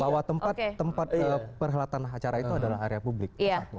bahwa tempat perhelatan acara itu adalah area publik